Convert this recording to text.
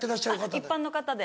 一般の方で。